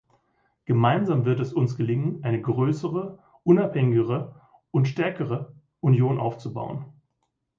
Gemeinsam wird es uns gelingen, eine größere, unabhängigere und stärkere Union aufzubauen.